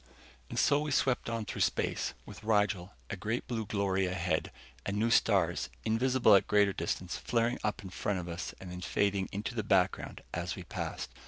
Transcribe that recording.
And so we swept on through space, with Rigel a great blue glory ahead, and new stars, invisible at greater distances, flaring up in front of us and then fading into the background as we passed.